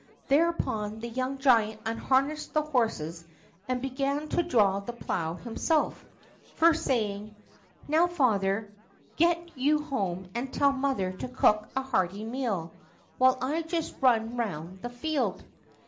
Thereupon the young giant unharnessed the horses and began to draw the plow himself, first saying: "Now, father, get you home and tell mother to cook a hearty meal, while I just run round the field."